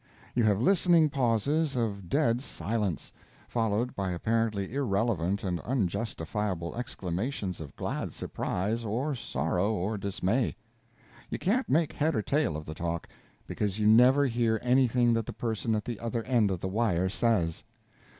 You have listening pauses of dead silence, followed by apparently irrelevant and unjustifiable exclamations of glad surprise or sorrow or dismay. You can't make head or tail of the talk, because you never hear anything that the person at the other end of the wire says.